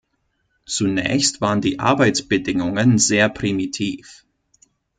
Zunächst waren die Arbeitsbedingungen sehr primitiv.